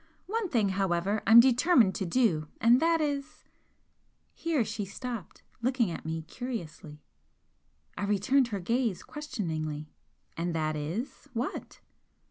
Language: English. One thing, however, I'm determined to do and that is " Here she stopped, looking at me curiously. I returned her gaze questioningly. "And that is what?"